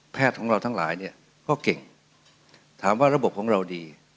ของเราทั้งหลายเนี่ยก็เก่งถามว่าระบบของเราดี